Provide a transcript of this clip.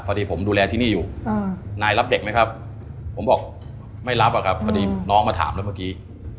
พอดีผมดูแลที่นี่อยู่นายรับเด็กไหมครับผมบอกไม่รับอะครับพอดีน้องมาถามแล้วเมื่อกี้